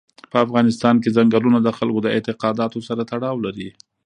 په افغانستان کې چنګلونه د خلکو د اعتقاداتو سره تړاو لري.